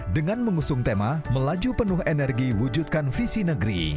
dengan mengusung tema melaju penuh energi wujudkan visi negeri